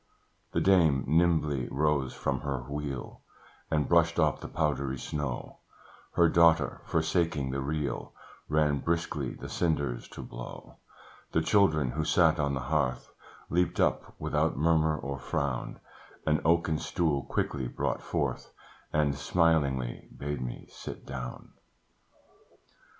The dame nimbly rose from her wheel, And brushed off the powdery snow: Her daughter, forsaking the reel, Ran briskly the cinders to blow: The children, who sat on the hearth, Leaped up without murmur or frown, An oaken stool quickly brought forth, And smilingly bade me sit down.